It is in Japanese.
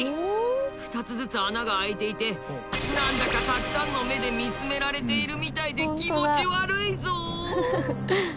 ２つずつ穴が開いていて何だかたくさんの目で見つめられているみたいで気持ち悪いぞ。